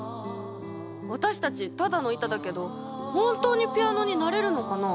私たちただの板だけど本当にピアノになれるのかな？